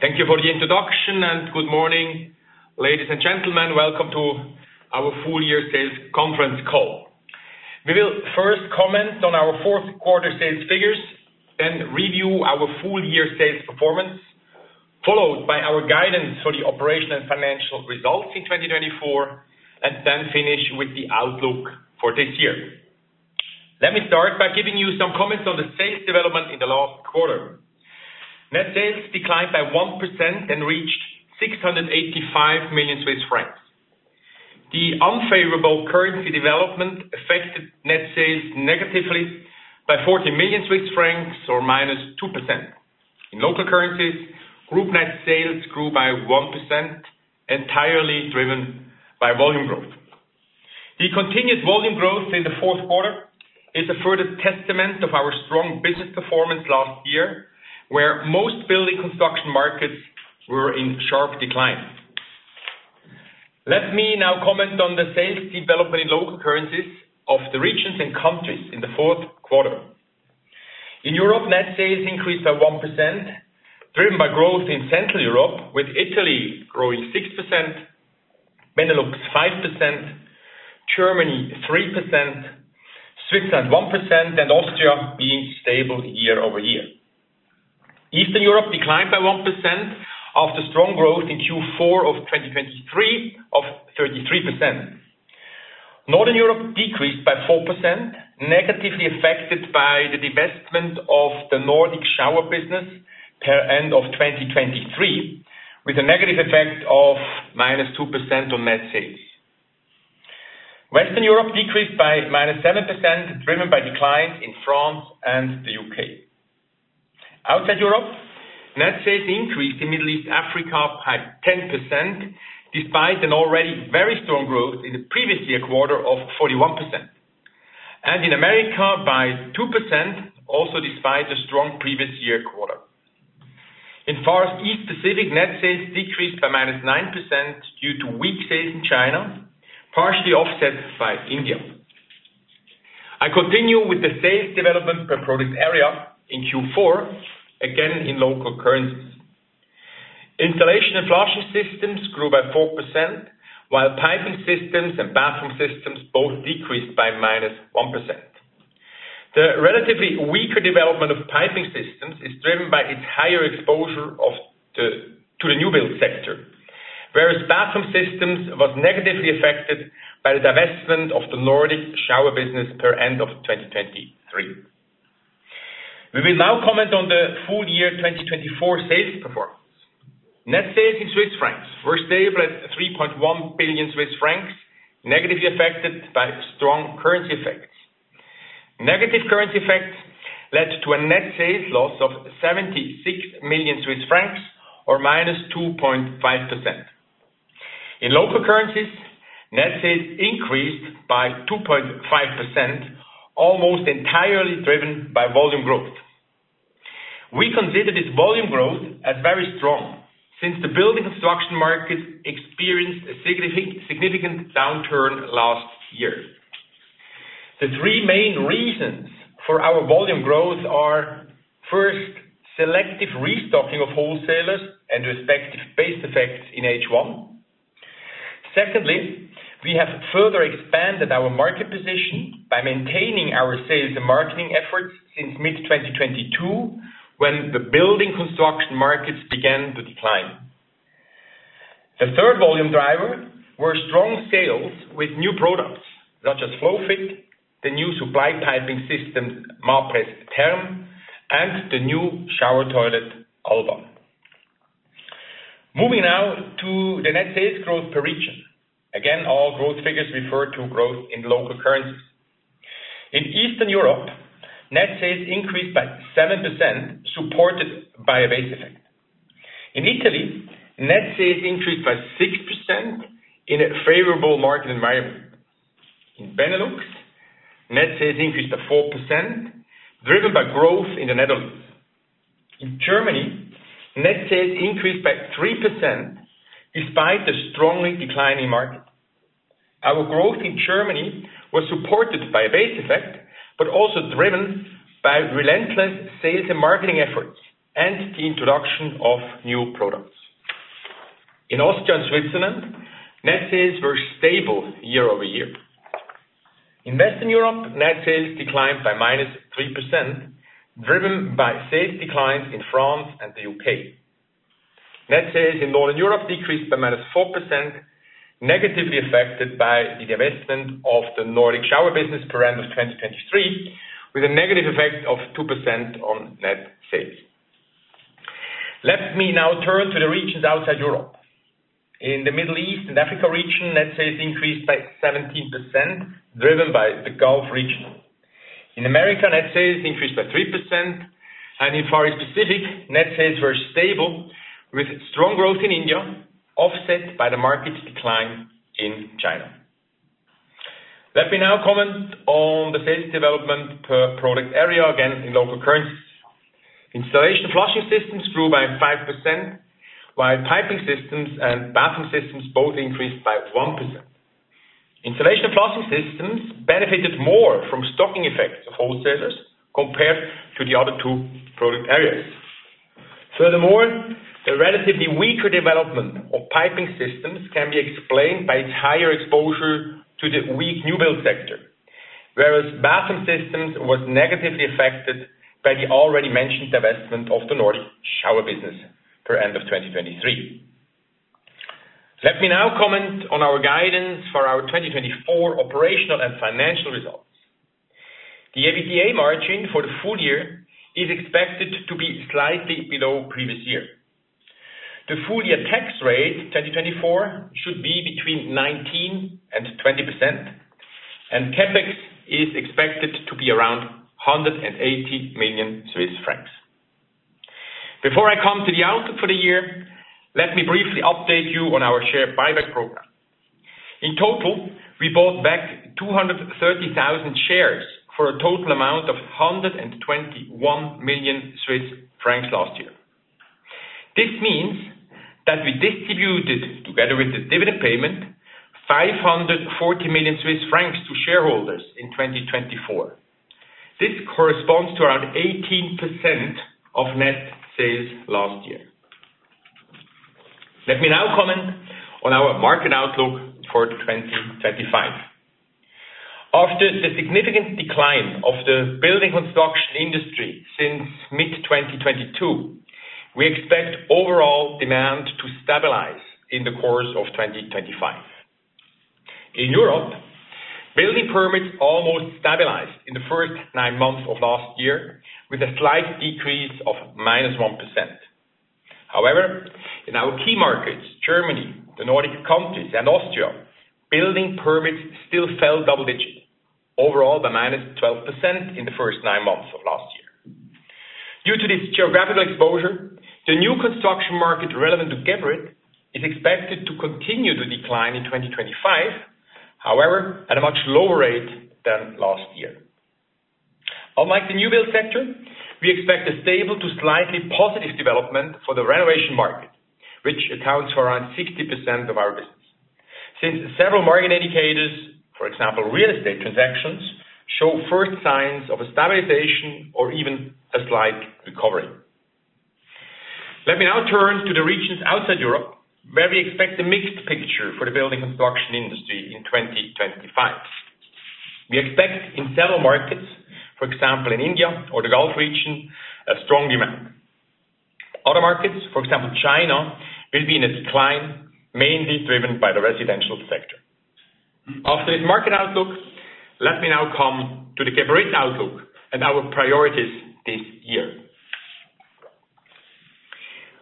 Thank you for the introduction, and good morning, ladies and gentlemen. Welcome to our full-year sales conference call. We will first comment on our fourth-quarter sales figures, then review our full-year sales performance, followed by our guidance for the operational and financial results in 2024, and then finish with the outlook for this year. Let me start by giving you some comments on the sales development in the last quarter. Net sales declined by 1% and reached 685 million Swiss francs. The unfavorable currency development affected net sales negatively by 40 million Swiss francs, or minus 2%. In local currencies, group net sales grew by 1%, entirely driven by volume growth. The continued volume growth in the Q4 is a further testament to our strong business performance last year, where most building construction markets were in sharp decline. Let me now comment on the sales development in local currencies of the regions and countries in the Q4. In Europe, net sales increased by 1%, driven by growth in Central Europe, with Italy growing 6%, Benelux 5%, Germany 3%, Switzerland 1%, and Austria being stable year over year. Eastern Europe declined by 1% after strong growth in Q4 of 2023 of 33%. Northern Europe decreased by 4%, negatively affected by the divestment of the Nordic shower business per end of 2023, with a negative effect of -2% on net sales. Western Europe decreased by -7%, driven by declines in France and the U.K. Outside Europe, net sales increased in Middle East and Africa by 10%, despite an already very strong growth in the previous year quarter of 41%, and in America by 2%, also despite a strong previous year quarter. In Far East Pacific, net sales decreased by minus 9% due to weak sales in China, partially offset by India. I continue with the sales development per product area in Q4, again in local currencies. Installation and flushing systems grew by 4%, while piping systems and bathroom systems both decreased by minus 1%. The relatively weaker development of piping systems is driven by its higher exposure to the new build sector, whereas bathroom systems were negatively affected by the divestment of the Nordic shower business per end of 2023. We will now comment on the full-year 2024 sales performance. Net sales in Swiss francs were stable at 3.1 billion Swiss francs, negatively affected by strong currency effects. Negative currency effects led to a net sales loss of 76 million Swiss francs, or minus 2.5%. In local currencies, net sales increased by 2.5%, almost entirely driven by volume growth. We consider this volume growth as very strong since the building construction market experienced a significant downturn last year. The three main reasons for our volume growth are: first, selective restocking of wholesalers and respective base effects in H1. Secondly, we have further expanded our market position by maintaining our sales and marketing efforts since mid-2022, when the building construction markets began to decline. The third volume driver was strong sales with new products, such as FlowFit, the new supply piping system, Mapress Therm, and the new shower toilet Alba. Moving now to the net sales growth per region. Again, all growth figures refer to growth in local currencies. In Eastern Europe, net sales increased by 7%, supported by a base effect. In Italy, net sales increased by 6% in a favorable market environment. In Benelux, net sales increased by 4%, driven by growth in the Netherlands. In Germany, net sales increased by 3% despite the strongly declining market. Our growth in Germany was supported by a base effect, but also driven by relentless sales and marketing efforts and the introduction of new products. In Austria and Switzerland, net sales were stable year over year. In Western Europe, net sales declined by minus 3%, driven by sales declines in France and the U.K. Net sales in Northern Europe decreased by minus 4%, negatively affected by the divestment of the Nordic shower business by end of 2023, with a negative effect of 2% on net sales. Let me now turn to the regions outside Europe. In the Middle East and Africa region, net sales increased by 17%, driven by the Gulf region. In America, net sales increased by 3%, and in Far East Pacific, net sales were stable, with strong growth in India, offset by the market decline in China. Let me now comment on the sales development per product area, again in local currencies. Installation and flushing systems grew by 5%, while piping systems and bathroom systems both increased by 1%. Installation and flushing systems benefited more from stocking effects of wholesalers compared to the other two product areas. Furthermore, the relatively weaker development of piping systems can be explained by its higher exposure to the weak new build sector, whereas bathroom systems were negatively affected by the already mentioned divestment of the Nordic shower business per end of 2023. Let me now comment on our guidance for our 2024 operational and financial results. The EBITDA margin for the full year is expected to be slightly below previous year. The full-year tax rate 2024 should be between 19% and 20%, and CapEx is expected to be around 180 million Swiss francs. Before I come to the outlook for the year, let me briefly update you on our share buyback program. In total, we bought back 230,000 shares for a total amount of 121 million Swiss francs last year. This means that we distributed, together with the dividend payment, 540 million Swiss francs to shareholders in 2024. This corresponds to around 18% of net sales last year. Let me now comment on our market outlook for 2025. After the significant decline of the building construction industry since mid-2022, we expect overall demand to stabilize in the course of 2025. In Europe, building permits almost stabilized in the first nine months of last year, with a slight decrease of minus 1%. However, in our key markets, Germany, the Nordic countries, and Austria, building permits still fell double-digit overall by -12% in the first nine months of last year. Due to this geographical exposure, the new construction market relevant to Geberit is expected to continue to decline in 2025, however, at a much lower rate than last year. Unlike the new build sector, we expect a stable to slightly positive development for the renovation market, which accounts for around 60% of our business, since several market indicators, for example, real estate transactions, show first signs of a stabilization or even a slight recovery. Let me now turn to the regions outside Europe, where we expect a mixed picture for the building construction industry in 2025. We expect in several markets, for example, in India or the Gulf region, a strong demand. Other markets, for example, China, will be in a decline, mainly driven by the residential sector. After this market outlook, let me now come to the Geberit outlook and our priorities this year.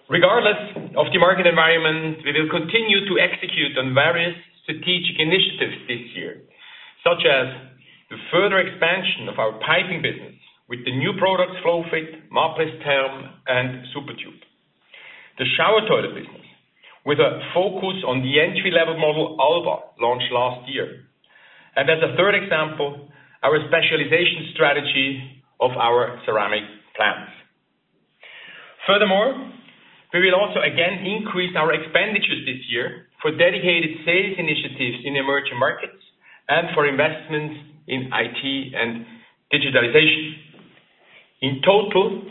Regardless of the market environment, we will continue to execute on various strategic initiatives this year, such as the further expansion of our piping business with the new products FlowFit, Mapress Therm, and SuperTube, the shower toilet business with a focus on the entry-level model Alba launched last year, and as a third example, our specialization strategy of our ceramic plants. Furthermore, we will also again increase our expenditures this year for dedicated sales initiatives in emerging markets and for investments in IT and digitalization. In total,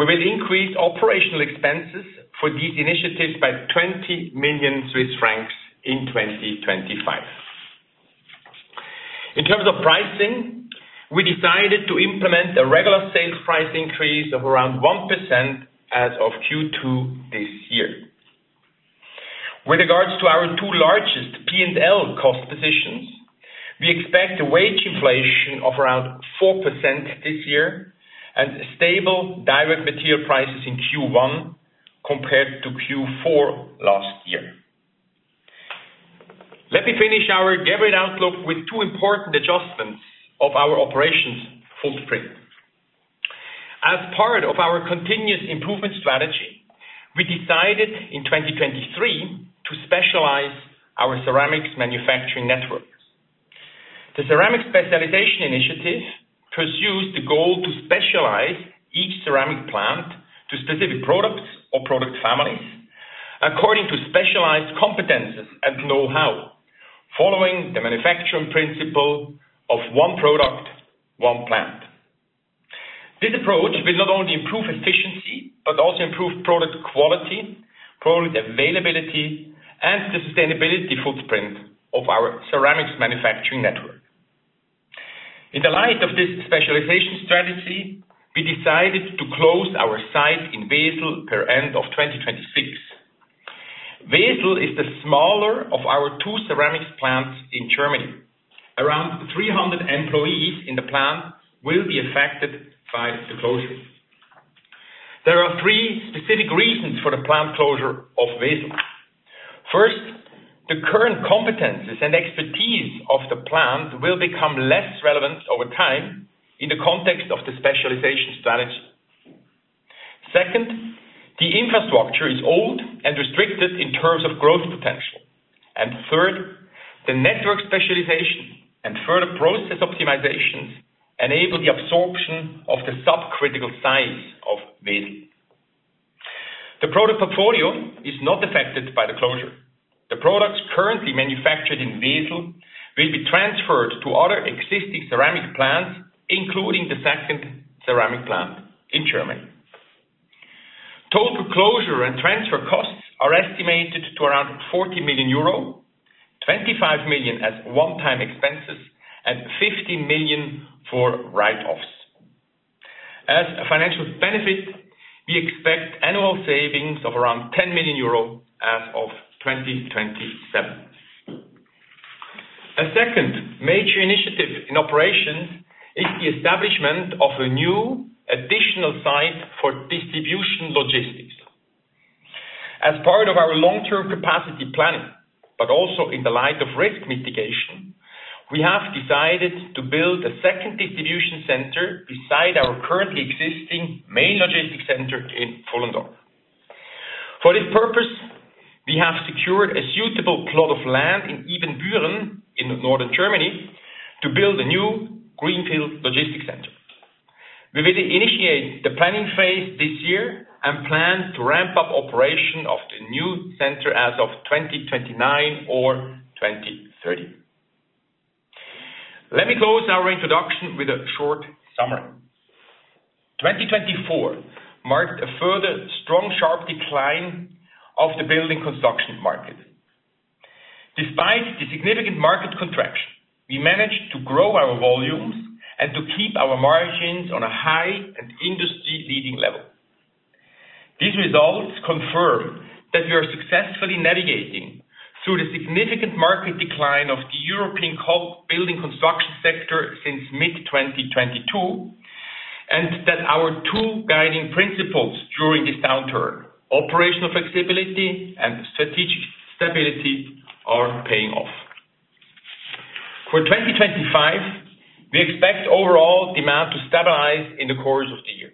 we will increase operational expenses for these initiatives by 20 million Swiss francs in 2025. In terms of pricing, we decided to implement a regular sales price increase of around 1% as of Q2 this year. With regards to our two largest P&L cost positions, we expect a wage inflation of around 4% this year and stable direct material prices in Q1 compared to Q4 last year. Let me finish our Geberit outlook with two important adjustments of our operations footprint. As part of our continuous improvement strategy, we decided in 2023 to specialize our ceramics manufacturing networks. The ceramics specialization initiative pursues the goal to specialize each ceramic plant to specific products or product families according to specialized competencies and know-how, following the manufacturing principle of one product, one plant. This approach will not only improve efficiency, but also improve product quality, product availability, and the sustainability footprint of our ceramics manufacturing network. In the light of this specialization strategy, we decided to close our sites in Wesel per end of 2026. Wesel is the smaller of our two ceramics plants in Germany. Around 300 employees in the plant will be affected by the closure. There are three specific reasons for the plant closure of Wesel. First, the current competencies and expertise of the plant will become less relevant over time in the context of the specialization strategy. Second, the infrastructure is old and restricted in terms of growth potential. And third, the network specialization and further process optimizations enable the absorption of the subcritical size of Wesel. The product portfolio is not affected by the closure. The products currently manufactured in Wesel will be transferred to other existing ceramic plants, including the second ceramic plant in Germany. Total closure and transfer costs are estimated to around 40 million euro, 25 million as one-time expenses, and 50 million for write-offs. As a financial benefit, we expect annual savings of around 10 million euros as of 2027. A second major initiative in operations is the establishment of a new additional site for distribution logistics. As part of our long-term capacity planning, but also in the light of risk mitigation, we have decided to build a second distribution center beside our currently existing main logistics center in Pfullendorf. For this purpose, we have secured a suitable plot of land in Ibbenbüren in northern Germany to build a new greenfield logistics center. We will initiate the planning phase this year and plan to ramp up operation of the new center as of 2029 or 2030. Let me close our introduction with a short summary. 2024 marked a further strong sharp decline of the building construction market. Despite the significant market contraction, we managed to grow our volumes and to keep our margins on a high and industry-leading level. These results confirm that we are successfully navigating through the significant market decline of the European building construction sector since mid-2022, and that our two guiding principles during this downturn, operational flexibility and strategic stability, are paying off. For 2025, we expect overall demand to stabilize in the course of the year.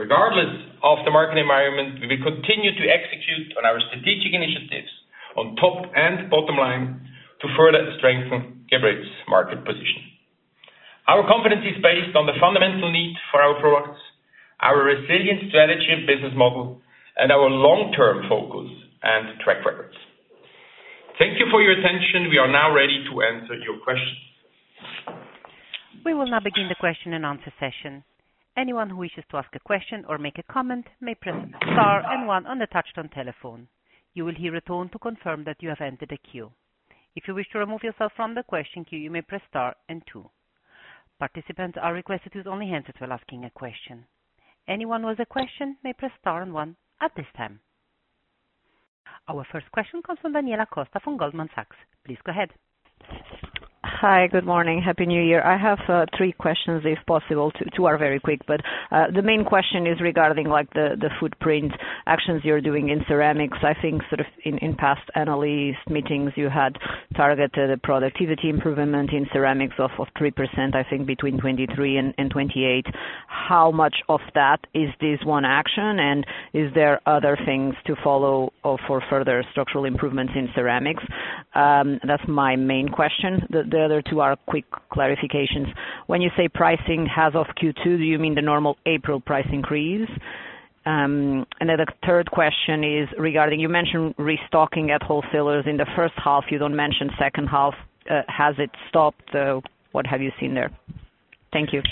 Regardless of the market environment, we will continue to execute on our strategic initiatives on top and bottom line to further strengthen Geberit's market position. Our competency is based on the fundamental need for our products, our resilient strategy and business model, and our long-term focus and track records. Thank you for your attention. We are now ready to answer your questions. We will now begin the question and answer session. Anyone who wishes to ask a question or make a comment may press Star and 1 on the touch-tone telephone. You will hear a tone to confirm that you have entered a queue. If you wish to remove yourself from the question queue, you may press Star and 2. Participants are requested to use only handsets while asking a question. Anyone who has a question may press Star and 1 at this time. Our first question comes from Daniela Costa from Goldman Sachs. Please go ahead. Hi, good morning. Happy New Year. I have three questions, if possible. Two are very quick, but the main question is regarding the footprint actions you're doing in ceramics. I think sort of in past analyst meetings, you had targeted a productivity improvement in ceramics of 3%, I think between 2023 and 2028. How much of that is this one action, and is there other things to follow for further structural improvements in ceramics? That's my main question. The other two are quick clarifications. When you say pricing as of Q2, do you mean the normal April price increase? And then the third question is regarding you mentioned restocking at wholesalers in the first half. You don't mention second half. Has it stopped? What have you seen there? Thank you.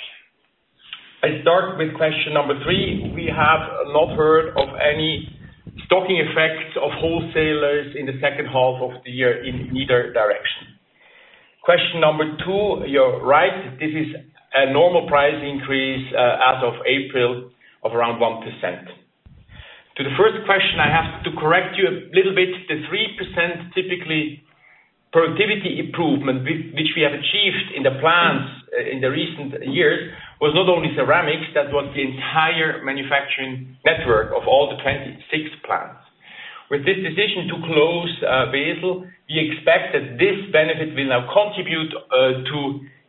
I start with question number three. We have not heard of any stocking effects of wholesalers in the second half of the year in either direction. Question number two, you're right. This is a normal price increase as of April of around 1%. To the first question, I have to correct you a little bit. The typical 3% productivity improvement, which we have achieved in the plants in the recent years, was not only ceramics. That was the entire manufacturing network of all the 26 plants. With this decision to close Wesel, we expect that this benefit will now contribute to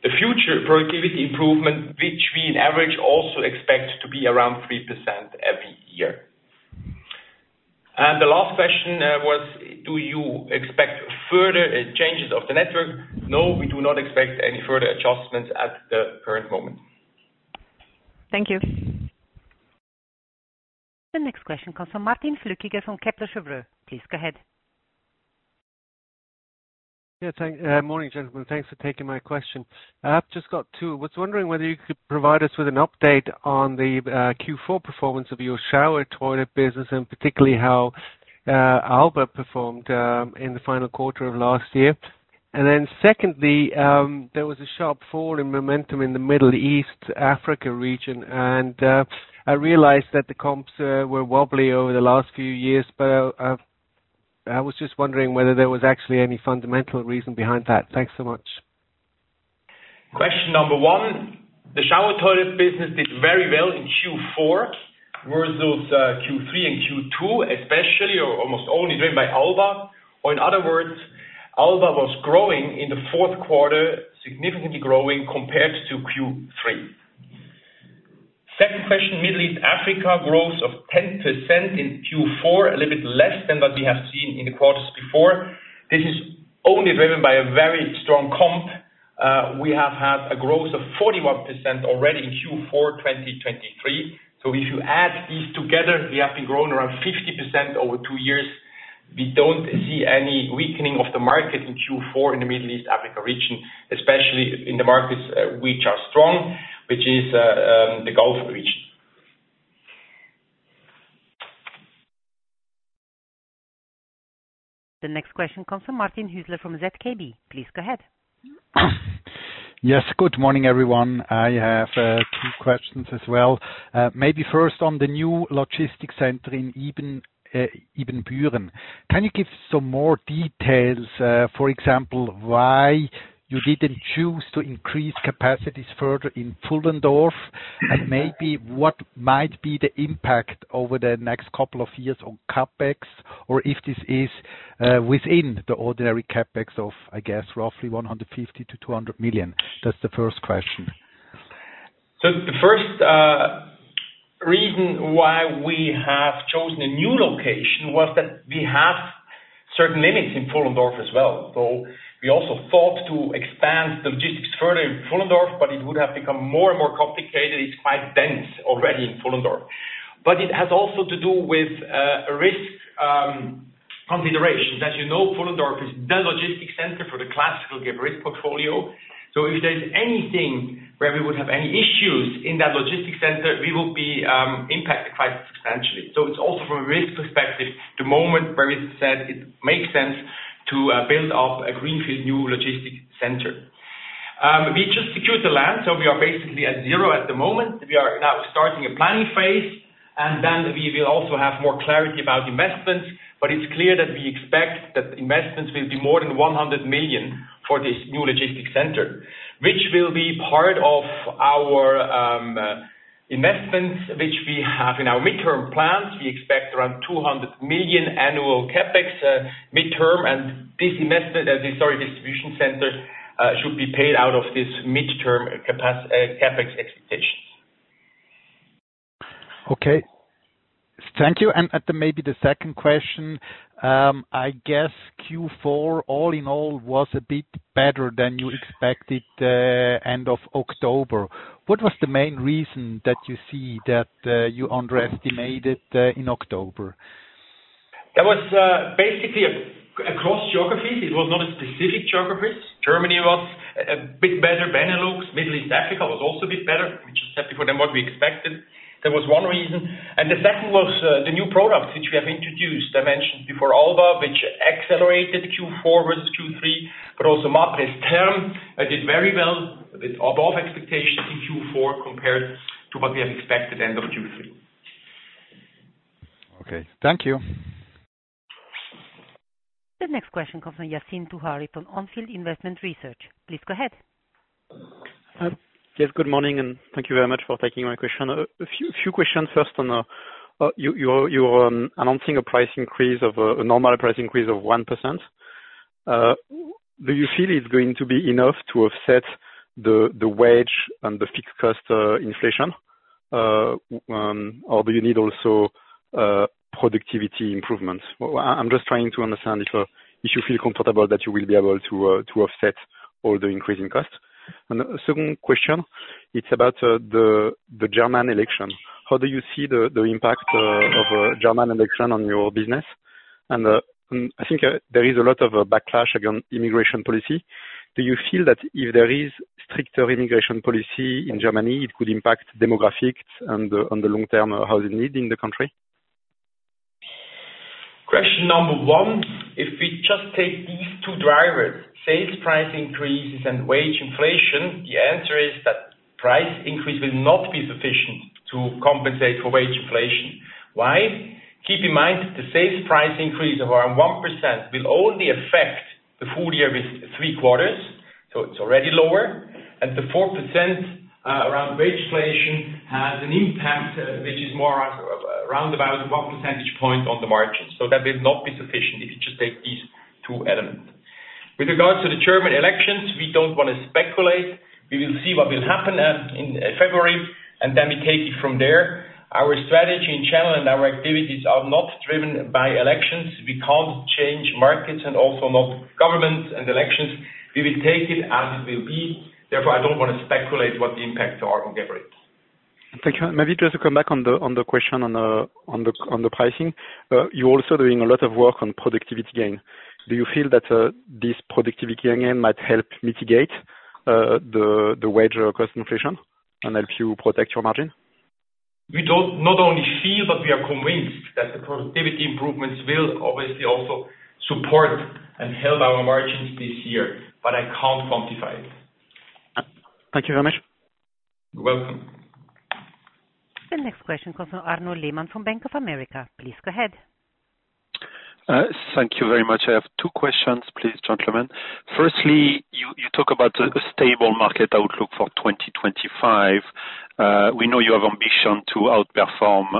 the future productivity improvement, which we on average also expect to be around 3% every year. The last question was, do you expect further changes of the network? No, we do not expect any further adjustments at the current moment. Thank you. The next question comes from Martin Flückiger from Kepler Cheuvreux. Please go ahead. Yeah, morning, gentlemen. Thanks for taking my question. I've just got two. I was wondering whether you could provide us with an update on the Q4 performance of your shower toilet business, and particularly how Alba performed in the final quarter of last year. Then secondly, there was a sharp fall in momentum in the Middle East and Africa region, and I realized that the comps were wobbly over the last few years, but I was just wondering whether there was actually any fundamental reason behind that. Thanks so much. Question number one. The shower toilet business did very well in Q4. Were those Q3 and Q2 especially, or almost only driven by Alba? Or in other words, Alba was growing in the Q4, significantly growing compared to Q3. Second question, Middle East and Africa growth of 10% in Q4, a little bit less than what we have seen in the quarters before. This is only driven by a very strong comp. We have had a growth of 41% already in Q4 2023. So if you add these together, we have been growing around 50% over two years. We don't see any weakening of the market in Q4 in the Middle East Africa region, especially in the markets which are strong, which is the Gulf region. The next question comes from Martin Hüsler from ZKB. Please go ahead. Yes, good morning, everyone. I have two questions as well. Maybe first on the new logistics center in Ibbenbüren. Can you give some more details, for example, why you didn't choose to increase capacities further in Pfullendorf, and maybe what might be the impact over the next couple of years on CapEx, or if this is within the ordinary CapEx of, I guess, roughly 150-200 million? That's the first question. So the first reason why we have chosen a new location was that we have certain limits in Pfullendorf as well. So we also thought to expand the logistics further in Pfullendorf, but it would have become more and more complicated. It's quite dense already in Pfullendorf. But it has also to do with risk considerations. As you know, Pfullendorf is the logistics center for the classical Geberit portfolio. So if there's anything where we would have any issues in that logistics center, we would be impacted quite substantially. So it's also from a risk perspective, the moment where we said it makes sense to build up a greenfield new logistics center. We just secured the land, so we are basically at zero at the moment. We are now starting a planning phase, and then we will also have more clarity about investments. But it's clear that we expect that investments will be more than 100 million for this new logistics center, which will be part of our investments which we have in our midterm plans. We expect around 200 million annual CAPEX midterm, and this investment at the historic distribution center should be paid out of this midterm CAPEX expectations. Okay. Thank you. And maybe the second question, I guess Q4 all in all was a bit better than you expected end of October. What was the main reason that you see that you underestimated in October? That was basically across geographies. It was not a specific geography. Germany was a bit better than it looks. Middle East and Africa was also a bit better, which was said before than what we expected. That was one reason. And the second was the new products which we have introduced. I mentioned before Alba, which accelerated Q4 versus Q3, but also Mapress Therm did very well, a bit above expectations in Q4 compared to what we have expected end of Q3. Okay. Thank you. The next question comes from Yassine Touahri from On Field Investment Research. Please go ahead. Yes, good morning, and thank you very much for taking my question. A few questions first. You were announcing a price increase of a normal price increase of 1%. Do you feel it's going to be enough to offset the wage and the fixed cost inflation, or do you need also productivity improvements? I'm just trying to understand if you feel comfortable that you will be able to offset all the increasing costs. And the second question, it's about the German election. How do you see the impact of a German election on your business? I think there is a lot of backlash against immigration policy. Do you feel that if there is stricter immigration policy in Germany, it could impact demographics and the long-term housing need in the country? Question number one, if we just take these two drivers, sales price increases and wage inflation, the answer is that price increase will not be sufficient to compensate for wage inflation. Why? Keep in mind the sales price increase of around 1% will only affect the full year with three quarters, so it's already lower, and the 4% around wage inflation has an impact which is more around about 1 percentage point on the margin, so that will not be sufficient if you just take these two elements. With regards to the German elections, we don't want to speculate. We will see what will happen in February, and then we take it from there. Our strategy in Central and our activities are not driven by elections. We can't change markets and also not government and elections. We will take it as it will be. Therefore, I don't want to speculate what the impacts are on Geberit. Thank you. Maybe just to come back on the question on the pricing. You're also doing a lot of work on productivity gain. Do you feel that this productivity gain might help mitigate the wage cost inflation and help you protect your margin? We do not only feel, but we are convinced that the productivity improvements will obviously also support and help our margins this year, but I can't quantify it. Thank you very much. You're welcome. The next question comes from Arnaud Lehmann from Bank of America. Please go ahead. Thank you very much. I have two questions, please, gentlemen. Firstly, you talk about a stable market outlook for 2025. We know you have ambition to outperform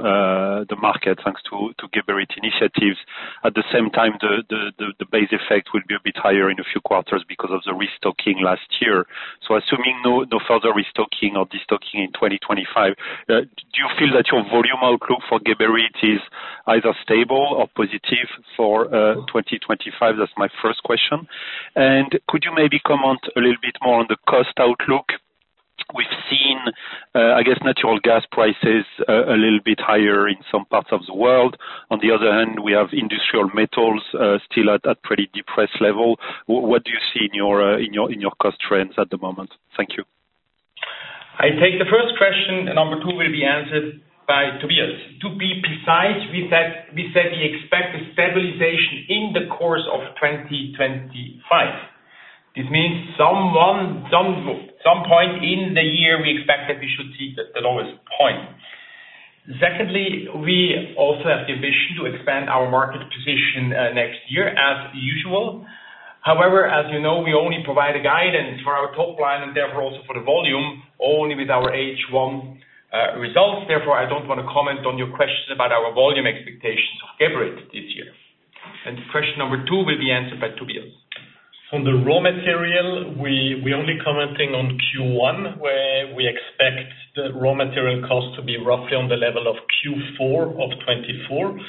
the market thanks to Geberit initiatives. At the same time, the base effect will be a bit higher in a few quarters because of the restocking last year. So assuming no further restocking or destocking in 2025, do you feel that your volume outlook for Geberit is either stable or positive for 2025? That's my first question, and could you maybe comment a little bit more on the cost outlook? We've seen, I guess, natural gas prices a little bit higher in some parts of the world. On the other hand, we have industrial metals still at a pretty depressed level. What do you see in your cost trends at the moment? Thank you. I take the first question, and number two will be answered by Tobias. To be precise, we said we expect a stabilization in the course of 2025. This means some point in the year we expect that we should see the lowest point. Secondly, we also have the ambition to expand our market position next year as usual. However, as you know, we only provide a guidance for our top line and therefore also for the volume only with our H1 results. Therefore, I don't want to comment on your questions about our volume expectations of Geberit this year. Question number two will be answered by Tobias. On the raw material, we're only commenting on Q1, where we expect the raw material cost to be roughly on the level of Q4 of 2024.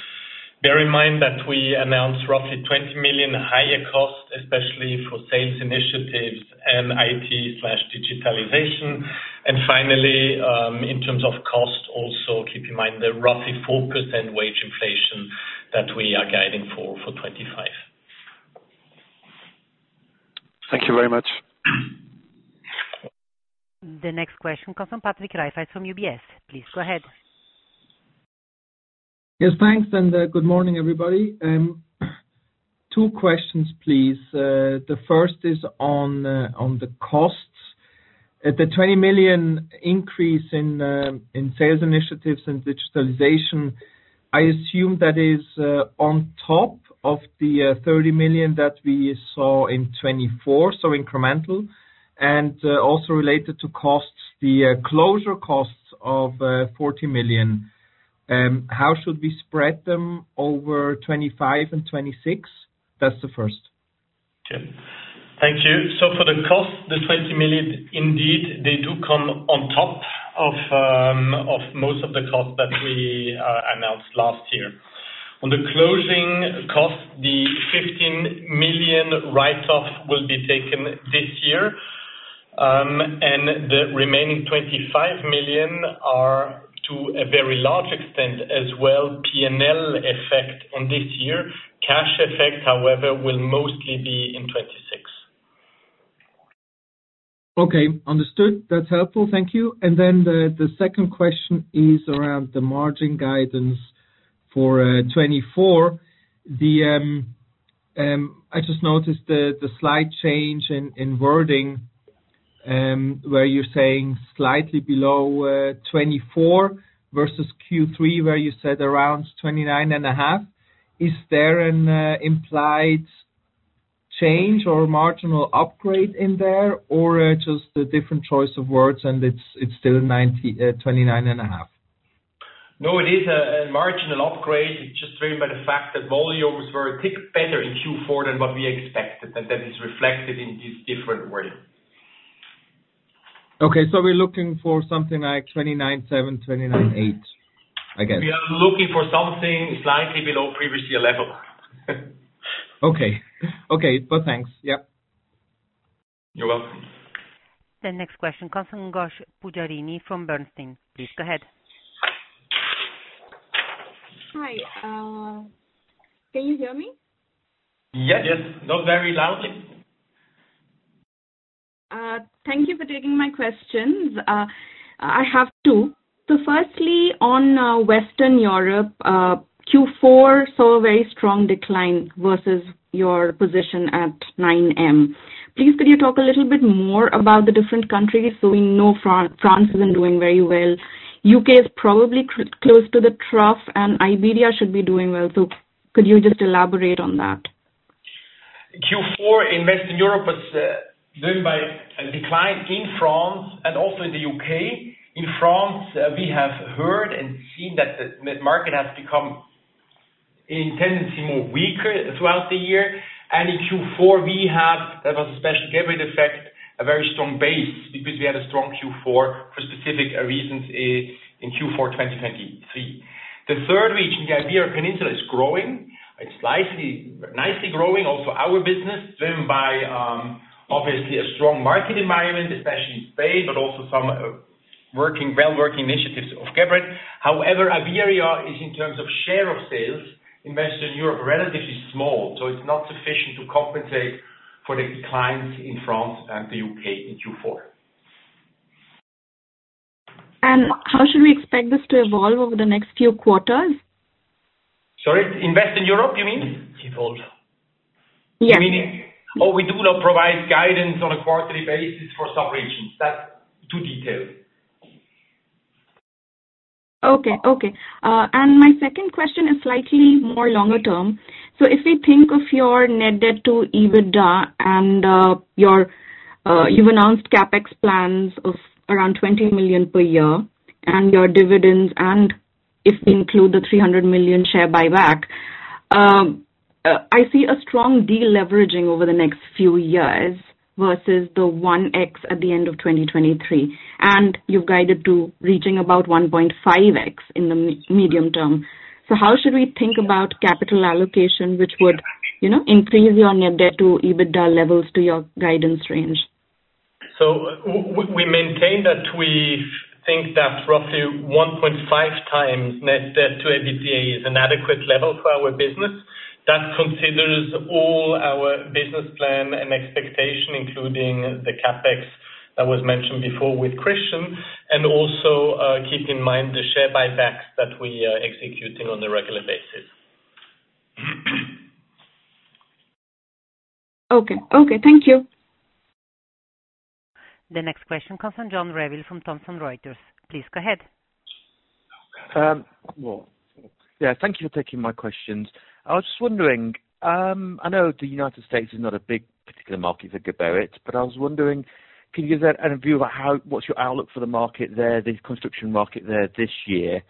Bear in mind that we announced roughly 20 million higher cost, especially for sales initiatives and IT/digitalization. And finally, in terms of cost, also keep in mind the roughly 4% wage inflation that we are guiding for 2025. Thank you very much. The next question comes from Patrick Rafaisz from UBS. Please go ahead. Yes, thanks. And good morning, everybody. Two questions, please. The first is on the costs. The 20 million increase in sales initiatives and digitalization, I assume that is on top of the 30 million that we saw in 2024, so incremental. And also related to costs, the closure costs of 40 million. How should we spread them over 2025 and 2026? That's the first. Okay. Thank you. So for the cost, the 20 million, indeed, they do come on top of most of the costs that we announced last year. On the closing costs, the 15 million write-off will be taken this year. The remaining 25 million are to a very large extent as well P&L effect on this year. Cash effect, however, will mostly be in 2026. Okay. Understood. That's helpful. Thank you. And then the second question is around the margin guidance for 2024. I just noticed the slight change in wording where you're saying slightly below 2024 versus Q3, where you said around 29.5%. Is there an implied change or marginal upgrade in there, or just a different choice of words, and it's still 29.5%? No, it is a marginal upgrade. It's just driven by the fact that volumes were a tick better in Q4 than what we expected, and that is reflected in this different way. Okay. So we're looking for something like 29.7%, 29.8%, I guess. We are looking for something slightly below previous year level. Okay. Okay. But thanks. Yeah. You're welcome. The next question comes from Gosha Pujarini from Bernstein. Please go ahead. Hi. Can you hear me? Yes. Yes. Not very loudly. Thank you for taking my questions. I have two. So firstly, on Western Europe, Q4 saw a very strong decline versus your position at 9M. Please, could you talk a little bit more about the different countries? So we know France isn't doing very well. UK is probably close to the trough, and Iberia should be doing well. So could you just elaborate on that? Q4 in Western Europe was driven by a decline in France and also in the UK. In France, we have heard and seen that the market has become in tendency more weaker throughout the year. And in Q4, we have, that was a special Geberit effect, a very strong base because we had a strong Q4 for specific reasons in Q4 2023. The third region, the Iberian Peninsula, is growing. It's nicely growing. Also our business, driven by obviously a strong market environment, especially in Spain, but also some well-working initiatives of Geberit. However, Iberia is, in terms of share of sales in Western Europe, relatively small. So it's not sufficient to compensate for the declines in France and the U.K. in Q4. And how should we expect this to evolve over the next few quarters? Sorry? In Western Europe, you mean? Evolve. Yeah You meaning how we do not provide guidance on a quarterly basis for some regions. That's too detailed. Okay. Okay. And my second question is slightly more longer term. So if we think of your net debt to EBITDA and you've announced CapEx plans of around 20 million per year and your dividends and if we include the 300 million share buyback, I see a strong de-leveraging over the next few years versus the 1x at the end of 2023. And you've guided to reaching about 1.5x in the medium term. So how should we think about capital allocation, which would increase your net debt to EBITDA levels to your guidance range? So we maintain that we think that roughly 1.5 times net debt to EBITDA is an adequate level for our business. That considers all our business plan and expectation, including the CapEx that was mentioned before with Christian. And also keep in mind the share buybacks that we are executing on a regular basis. Okay. Okay. Thank you. The next question comes from John Revill from Thomson Reuters. Please go ahead. Yeah. Thank you for taking my questions. I was just wondering, I know the United States is not a particularly big market for Geberit, but I was wondering, can you give us an overview about what's your outlook for the market there, the construction market there this year,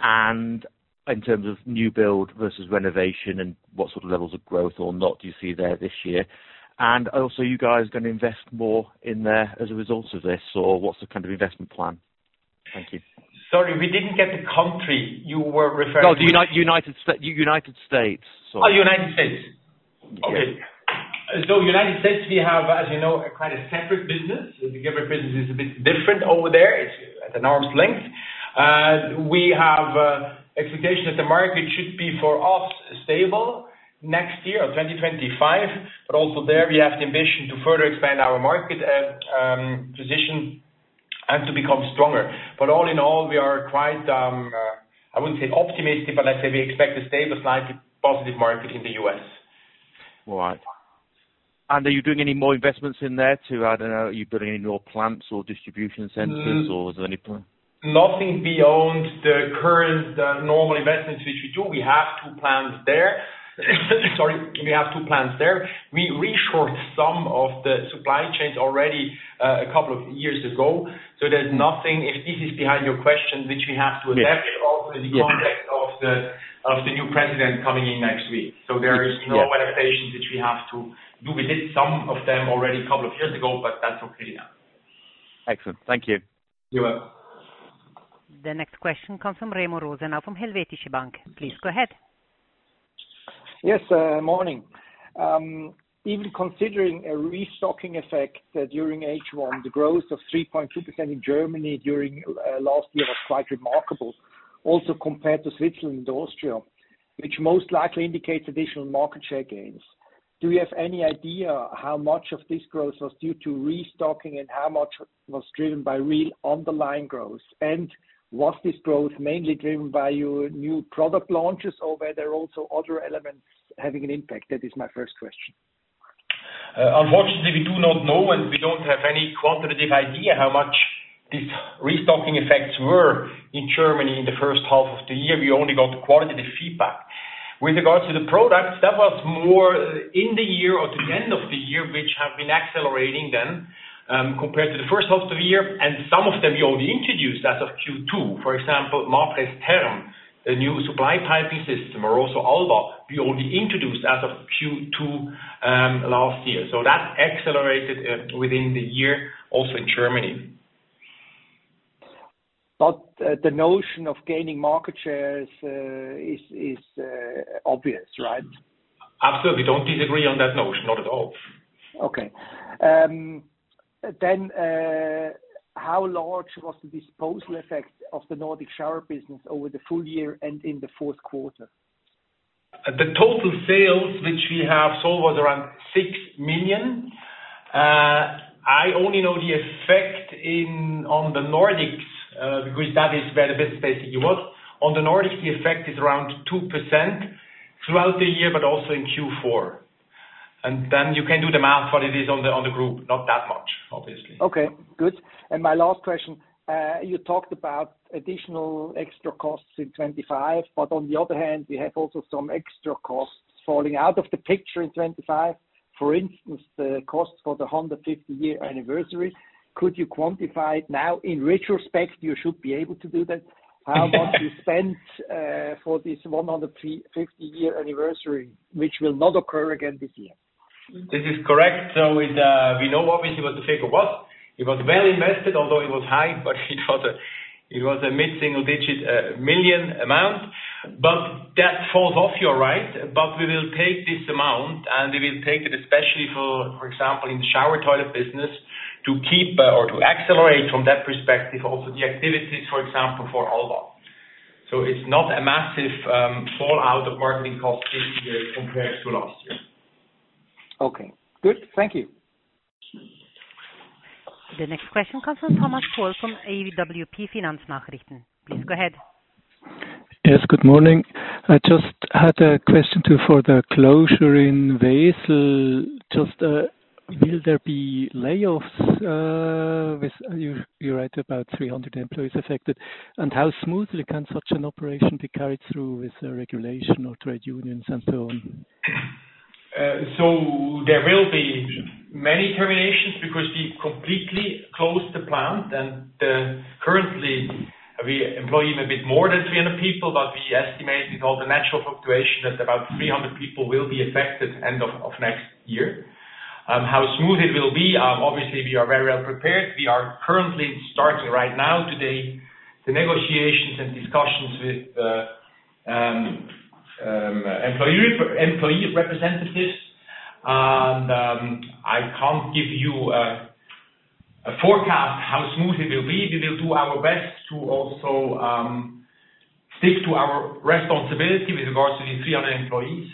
and in terms of new build versus renovation and what sort of levels of growth or not do you see there this year? And also, are you guys going to invest more in there as a result of this, or what's the kind of investment plan? Thank you. Sorry, we didn't get the country you were referring to. No, United States. Oh, United States. Okay. So United States, we have, as you know, quite a separate business. The Geberit business is a bit different over there. It's at an arm's length. We have expectations that the market should be for us stable next year or 2025. But also there, we have the ambition to further expand our market position and to become stronger. But all in all, we are quite. I wouldn't say optimistic, but let's say we expect a stable, slightly positive market in the U.S. Right. And are you doing any more investments in there to, I don't know, are you building any more plants or distribution centers, or is there any? Nothing beyond the current normal investments which we do. We have two plants there. Sorry, we have two plants there. We reshored some of the supply chains already a couple of years ago. So there's nothing, if this is behind your question, which we have to adapt also in the context of the new president coming in next week. So there is no adaptations which we have to do. We did some of them already a couple of years ago, but that's okay now. Excellent. Thank you. You're welcome. The next question comes from Remo Rosenau, now from Helvetische Bank. Please go ahead. Yes. Morning. Even considering a restocking effect during H1, the growth of 3.2% in Germany during last year was quite remarkable, also compared to Switzerland and Austria, which most likely indicates additional market share gains. Do you have any idea how much of this growth was due to restocking and how much was driven by real underlying growth? And was this growth mainly driven by your new product launches or were there also other elements having an impact? That is my first question. Unfortunately, we do not know, and we don't have any quantitative idea how much these restocking effects were in Germany in the first half of the year. We only got qualitative feedback. With regards to the products, that was more in the year or to the end of the year, which have been accelerating then compared to the first half of the year. And some of them we already introduced as of Q2. For example, Mapress Therm, the new supply piping system, or also Alba, we already introduced as of Q2 last year. So that accelerated within the year, also in Germany. But the notion of gaining market shares is obvious, right? Absolutely. Don't disagree on that notion. Not at all. Okay. Then how large was the disposal effect of the Nordic shower business over the full year and in the Q4? The total sales which we have sold was around 6 million. I only know the effect on the Nordics because that is where the business basically was. On the Nordics, the effect is around 2% throughout the year, but also in Q4. And then you can do the math, but it is on the group. Not that much, obviously. Okay. Good. And my last question. You talked about additional extra costs in 2025, but on the other hand, we have also some extra costs falling out of the picture in 2025. For instance, the cost for the 150-year anniversary. Could you quantify it now? In retrospect, you should be able to do that. How much you spent for this 150-year anniversary, which will not occur again this year? This is correct. So we know obviously what the figure was. It was well invested, although it was high, but it was a mid-single-digit million amount. But that falls off. You're right. But we will take this amount, and we will take it especially for, for example, in the shower toilet business to keep or to accelerate from that perspective also the activities, for example, for Alba. So it's not a massive fallout of marketing costs this year compared to last year. Okay. Good. Thank you. The next question comes from Thomas Kohl from AWP Finanznachrichten. Please go ahead. Yes. Good morning. I just had a question too for the closure in Wesel. Just will there be layoffs? With you, right, about 300 employees affected. And how smoothly can such an operation be carried through with regulation or trade unions and so on? So there will be many terminations because we completely closed the plant. And currently, we employ even a bit more than 300 people, but we estimate with all the natural fluctuation that about 300 people will be affected end of next year. How smooth it will be? Obviously, we are very well prepared. We are currently starting right now today the negotiations and discussions with employee representatives. And I can't give you a forecast how smooth it will be. We will do our best to also stick to our responsibility with regards to these 300 employees.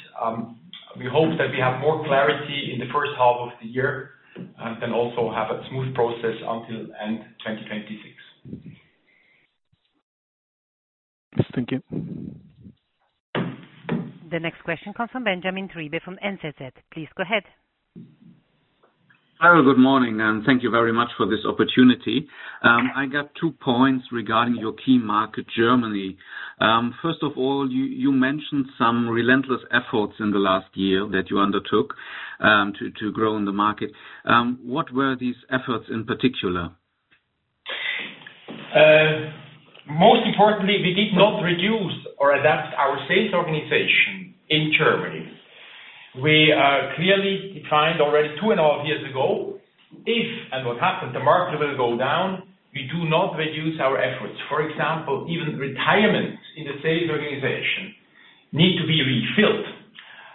We hope that we have more clarity in the first half of the year and can also have a smooth process until end 2026. Thank you. The next question comes from Benjamin Triebe from NZZ. Please go ahead. Hello. Good morning and thank you very much for this opportunity. I got two points regarding your key market, Germany. First of all, you mentioned some relentless efforts in the last year that you undertook to g row in the market. What were these efforts in particular? Most importantly, we did not reduce or adapt our sales organization in Germany. We clearly defined already two and a half years ago, if and what happened, the market will go down, we do not reduce our efforts. For example, even retirements in the sales organization need to be refilled.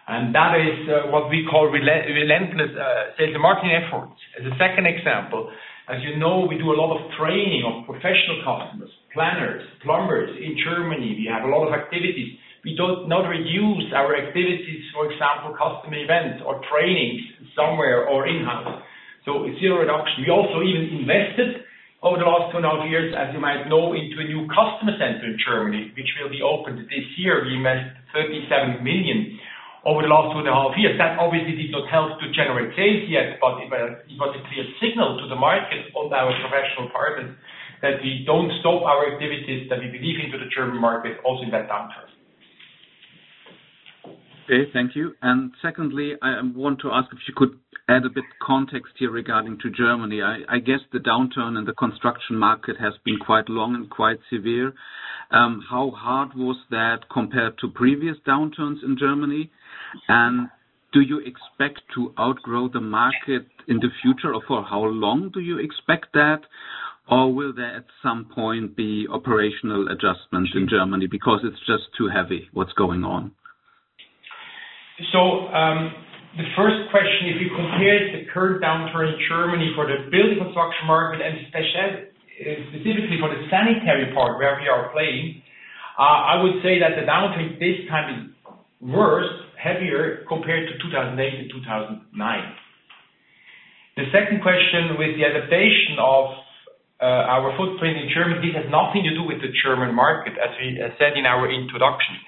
And that is what we call relentless sales and marketing efforts. As a second example, as you know, we do a lot of training of professional customers, planners, plumbers in Germany. We have a lot of activities. We do not reduce our activities, for example, customer events or trainings somewhere or in-house. So zero reduction. We also even invested over the last two and a half years, as you might know, into a new customer center in Germany, which will be opened this year. We invested 37 million CHF over the last two and a half years. That obviously did not help to generate sales yet, but it was a clear signal to the market on our professional partners that we don't stop our activities, that we believe into the German market also in that downturn. Okay. Thank you. And secondly, I want to ask if you could add a bit of context here regarding to Germany. I guess the downturn in the construction market has been quite long and quite severe. How hard was that compared to previous downturns in Germany? And do you expect to outgrow the market in the future? For how long do you expect that? Or will there at some point be operational adjustments in Germany because it's just too heavy what's going on? So the first question, if you compare the current downturn in Germany for the building construction market and specifically for the sanitary part where we are playing, I would say that the downturn this time is worse, heavier compared to 2008 and 2009. The second question with the adaptation of our footprint in Germany, this has nothing to do with the German market, as we said in our introduction.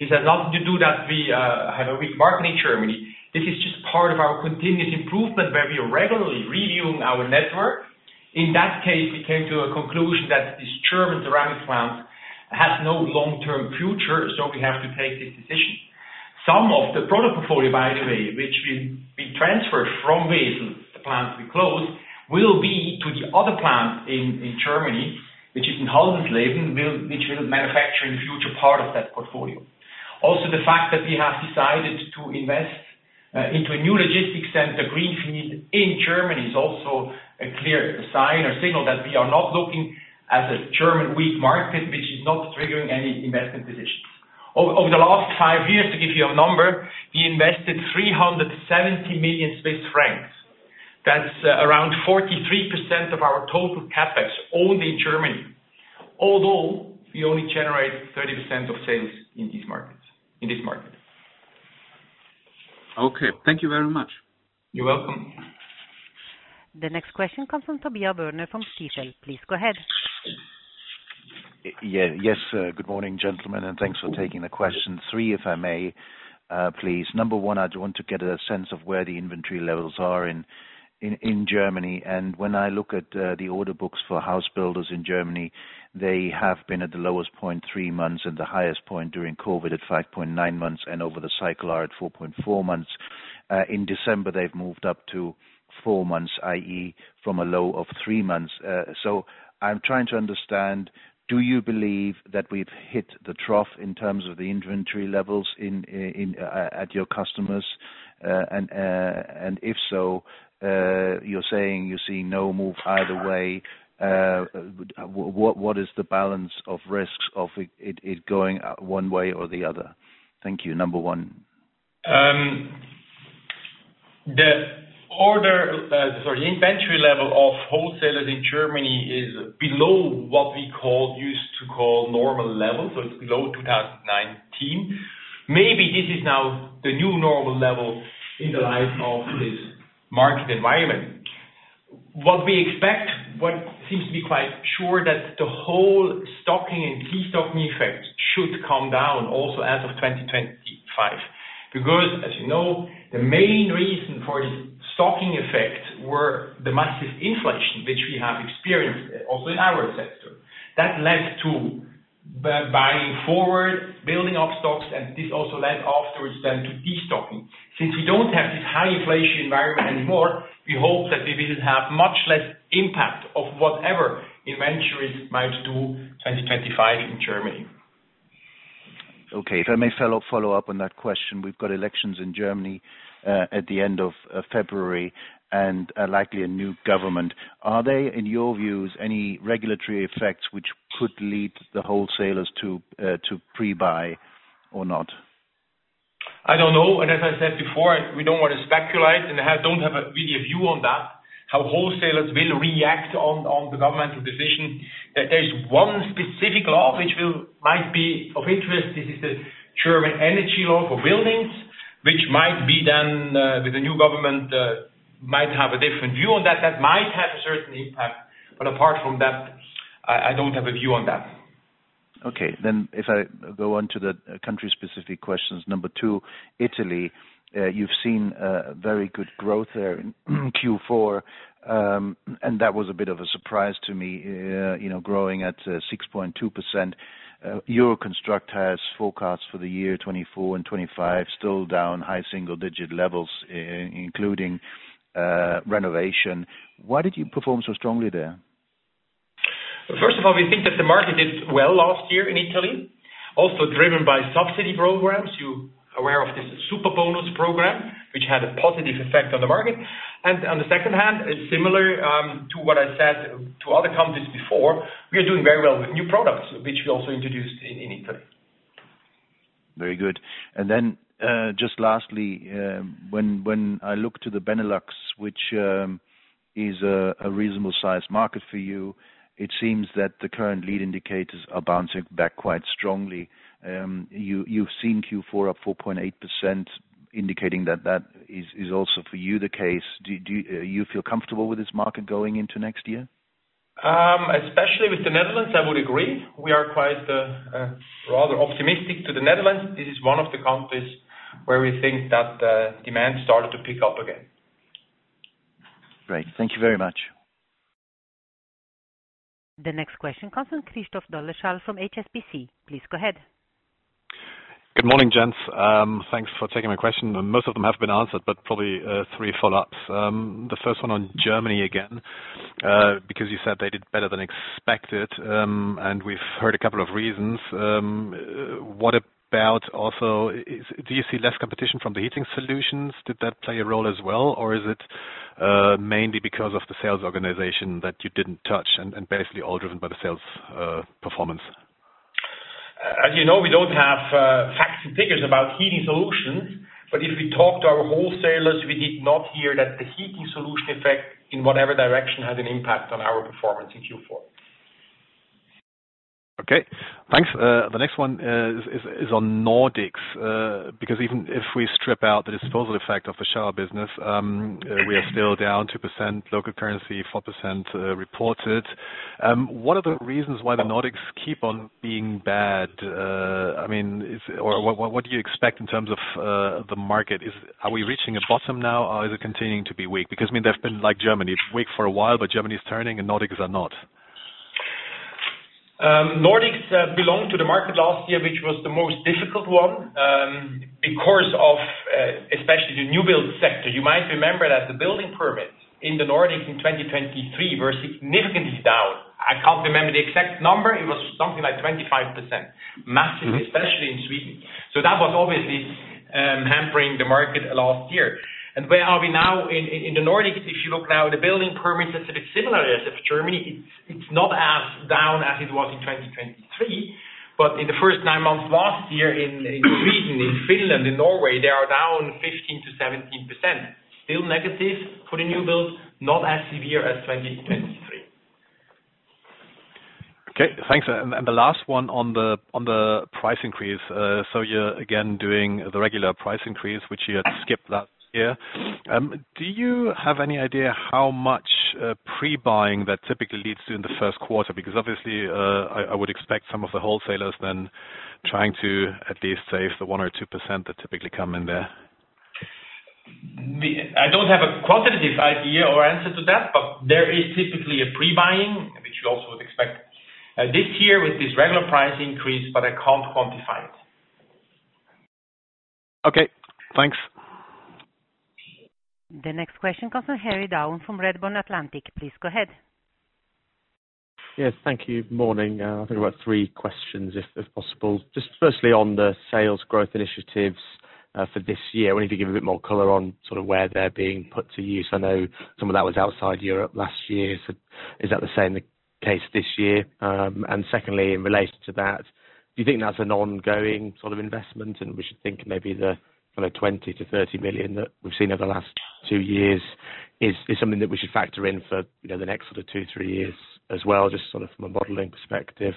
This has nothing to do that we have a weak market in Germany. This is just part of our continuous improvement where we are regularly reviewing our network. In that case, we came to a conclusion that this German ceramic plant has no long-term future, so we have to take this decision. Some of the product portfolio, by the way, which we transferred from Wesel, the plant we closed, will be to the other plant in Germany, which is in Haldensleben, which will manufacture in the future part of that portfolio. Also, the fact that we have decided to invest into a new logistics center, Greenfield, in Germany is also a clear sign or signal that we are not looking as a German weak market, which is not triggering any investment decisions. Over the last five years, to give you a number, we invested 370 million Swiss francs. That's around 43% of our total CapEx only in Germany, although we only generate 30% of sales in this market. Okay. Thank you very much. You're welcome. The next question comes from Tobias Woerner from Stifel. Please go ahead. Yes. Good morning, gentlemen, and thanks for taking the question three, if I may, please. Number one, I do want to get a sense of where the inventory levels are in Germany. When I look at the order books for house builders in Germany, they have been at the lowest point three months and the highest point during COVID at 5.9 months, and over the cycle are at 4.4 months. In December, they've moved up to four months, i.e., from a low of three months. So I'm trying to understand, do you believe that we've hit the trough in terms of the inventory levels at your customers? And if so, you're saying you see no move either way. What is the balance of risks of it going one way or the other? Thank you. Number one. Sorry, inventory level of wholesalers in Germany is below what we used to call normal levels. So it's below 2019. Maybe this is now the new normal level in the light of this market environment. What we expect, what seems to be quite sure, that the whole stocking and destocking effect should come down also as of 2025. Because, as you know, the main reason for this stocking effect were the massive inflation, which we have experienced also in our sector. That led to buying forward, building up stocks, and this also led afterwards then to destocking. Since we don't have this high inflation environment anymore, we hope that we will have much less impact of whatever inventories might do 2025 in Germany. Okay. If I may follow up on that question, we've got elections in Germany at the end of February and likely a new government. Are there, in your views, any regulatory effects which could lead the wholesalers to pre-buy or not? I don't know. As I said before, we don't want to speculate and don't have a real view on that, how wholesalers will react on the governmental decision. There's one specific law which might be of interest. This is the German Energy Law for Buildings, which might be then with the new government might have a different view on that. That might have a certain impact. But apart from that, I don't have a view on that. Okay. If I go on to the country-specific questions, number two, Italy, you've seen very good growth there in Q4, and that was a bit of a surprise to me, growing at 6.2%. Euroconstruct has forecasts for the year 2024 and 2025 still down high single-digit levels, including renovation. Why did you perform so strongly there? First of all, we think that the market did well last year in Italy, also driven by subsidy programs. You're aware of this Superbonus program, which had a positive effect on the market. On the other hand, similar to what I said to other countries before, we are doing very well with new products, which we also introduced in Italy. Very good. Then just lastly, when I look to the Benelux, which is a reasonable-sized market for you, it seems that the current lead indicators are bouncing back quite strongly. You've seen Q4 up 4.8%, indicating that that is also for you the case. Do you feel comfortable with this market going into next year? Especially with the Netherlands, I would agree. We are quite rather optimistic for the Netherlands. This is one of the countries where we think that the demand started to pick up again. Great. Thank you very much. The next question comes from Christoph Dolleschal from HSBC. Please go ahead. Good morning, gents. Thanks for taking my question. Most of them have been answered, but probably three follow-ups. The first one on Germany again, because you said they did better than expected, and we've heard a couple of reasons. What about also do you see less competition from the heating solutions? Did that play a role as well, or is it mainly because of the sales organization that you didn't touch and basically all driven by the sales performance? As you know, we don't have facts and figures about heating solutions, but if we talk to our wholesalers, we did not hear that the heating solution effect in whatever direction had an impact on our performance in Q4. Okay. Thanks. The next one is on Nordics, because even if we strip out the disposal effect of the shower business, we are still down 2%, local currency 4% reported. What are the reasons why the Nordics keep on being bad? I mean, what do you expect in terms of the market? Are we reaching a bottom now, or is it continuing to be weak? Because I mean, they've been like Germany, weak for a while, but Germany is turning and Nordics are not. Nordics belonged to the market last year, which was the most difficult one because of especially the new build sector. You might remember that the building permits in the Nordics in 2023 were significantly down. I can't remember the exact number. It was something like 25%, massively, especially in Sweden. So that was obviously hampering the market last year. And where are we now in the Nordics? If you look now at the building permits, it's a bit similar as in Germany. It's not as down as it was in 2023, but in the first nine months last year in Sweden, in Finland, in Norway, they are down 15%-17%. Still negative for the new build, not as severe as 2023. Okay. Thanks. And the last one on the price increase. So you're again doing the regular price increase, which you had skipped last year. Do you have any idea how much pre-buying that typically leads to in the Q1? Because obviously, I would expect some of the wholesalers then trying to at least save the 1%-2% that typically come in there. I don't have a quantitative idea or answer to that, but there is typically a pre-buying, which you also would expect this year with this regular price increase, but I can't quantify it. Okay. Thanks. The next question comes from Harry Dowell from Redburn Atlantic. Please go ahead. Yes. Thank you. Morning. I think about three questions, if possible. Just firstly on the sales growth initiatives for this year. I wanted to give a bit more color on sort of where they're being put to use. I know some of that was outside Europe last year. Is that the same case this year? And secondly, in relation to that, do you think that's an ongoing sort of investment? We should think maybe the kind of 20-30 million that we've seen over the last two years is something that we should factor in for the next sort of two, three years as well, just sort of from a modeling perspective.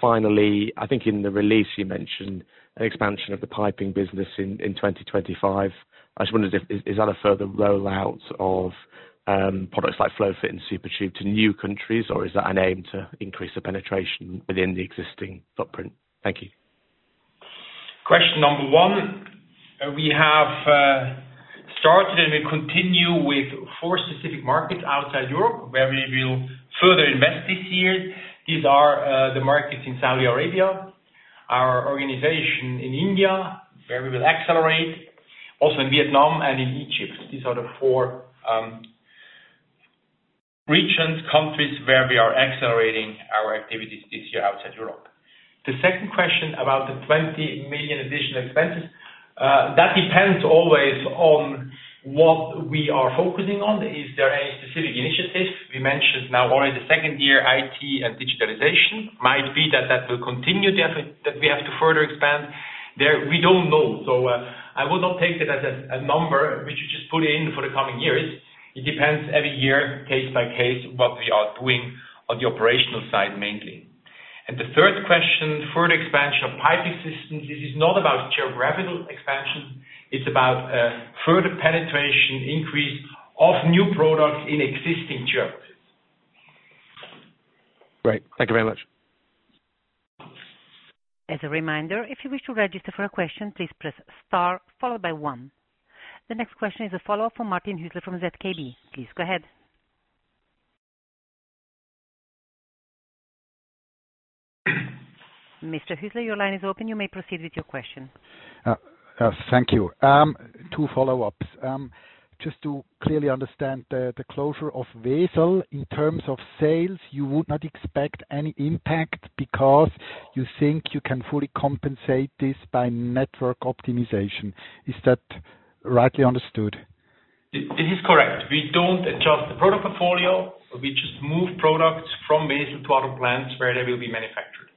Finally, I think in the release you mentioned an expansion of the piping business in 2025. I just wondered if is that a further rollout of products like FlowFit and SuperTube to new countries, or is that an aim to increase the penetration within the existing footprint? Thank you. Question number one. We have started and will continue with four specific markets outside Europe where we will further invest this year. These are the markets in Saudi Arabia, our organization in India where we will accelerate, also in Vietnam and in Egypt. These are the four regions, countries where we are accelerating our activities this year outside Europe. The second question about the 20 million additional expenses, that depends always on what we are focusing on. Is there any specific initiative? We mentioned now already the second year, IT and digitalization. Might be that that will continue that we have to further expand. We don't know. So I will not take that as a number. We should just put in for the coming years. It depends every year, case by case, what we are doing on the operational side mainly. And the third question, further expansion of piping systems. This is not about geographical expansion. It's about further penetration, increase of new products in existing geographies. Great. Thank you very much. As a reminder, if you wish to register for a question, please press star followed by one. The next question is a follow-up from Martin Hüsler from ZKB. Please go ahead. Mr. Hüsler, your line is open. You may proceed with your question. Thank you. Two follow-ups. Just to clearly understand the closure of Wesel, in terms of sales, you would not expect any impact because you think you can fully compensate this by network optimization. Is that rightly understood? It is correct. We don't adjust the product portfolio. We just move products from Wesel to other plants where they will be manufactured.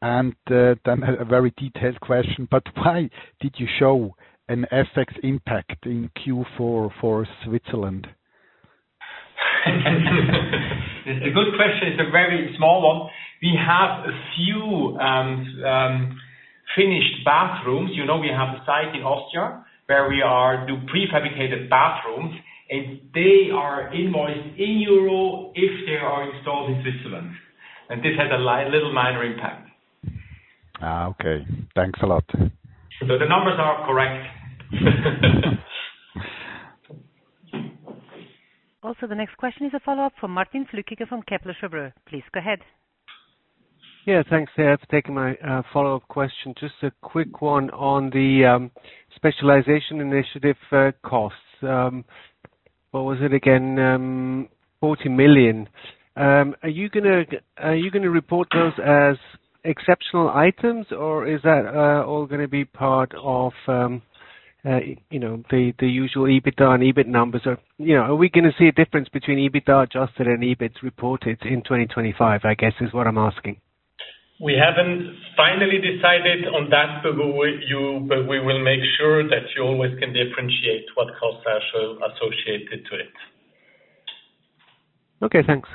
And then a very detailed question, but why did you show an FX impact in Q4 for Switzerland? It's a good question. It's a very small one. We have a few finished bathrooms. We have a site in Austria where we do prefabricated bathrooms, and they are invoiced in euro if they are installed in Switzerland. And this has a little minor impact. Okay. Thanks a lot. So the numbers are correct. Also, the next question is a follow-up from Martin Flückiger from Kepler Cheuvreux. Please go ahead. Yeah. Thanks. I have taken my follow-up question. Just a quick one on the specialization initiative costs. What was it again? 40 million. Are you going to report those as exceptional items, or is that all going to be part of the usual EBITDA and EBIT numbers? Are we going to see a difference between EBITDA adjusted and EBIT reported in 2025, I guess, is what I'm asking. We haven't finally decided on that, but we will make sure that you always can differentiate what costs are associated to it. Okay. Thanks.